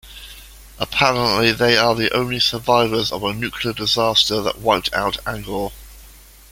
Apparently they are the only survivors of a nuclear disaster that wiped out Angor.